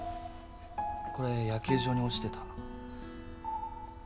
これ野球場に落ちてた。